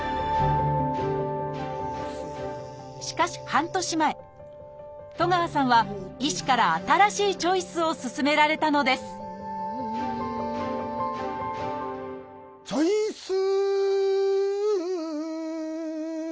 しかし半年前東川さんは医師から新しいチョイスを勧められたのですチョイス